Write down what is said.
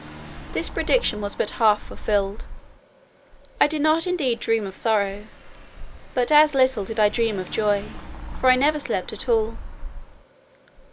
This prediction was but half fulfilled: I did not indeed dream of sorrow, but as little did I dream of joy; for I never slept at all.